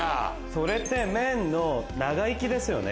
それって麺の長生きですよね。